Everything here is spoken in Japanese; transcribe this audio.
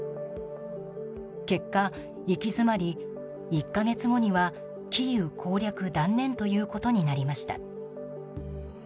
結果、行き詰まり１か月後にはキーウ攻略断念ということになりました。